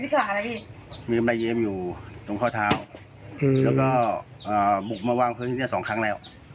ที่มีกำไรเย็มอยู่ตรงข้อเท้าและบุกมาว่างได้ทั้ง๒ครั้งแล้ว